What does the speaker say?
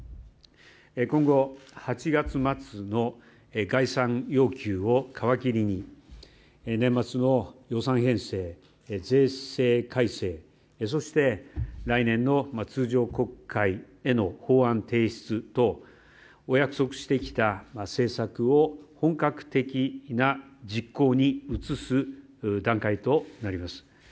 今後、８月末の概算要求を皮切りに年末の予算編成、税制改正そして、来年の通常国会への法案提出等お約束してきた政策を本格的な実行に移す段階となります。